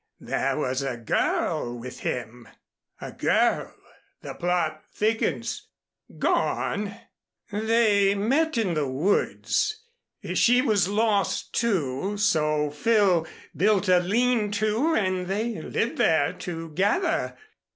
There was a girl with him." "A girl! The plot thickens. Go on." "They met in the woods. She was lost, too, so Phil built a lean to and they lived there together.